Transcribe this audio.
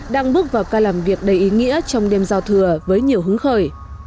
đang bước vào ca làm việc đầy ý nghĩa trong đêm giao thừa với nhiều hứng khởi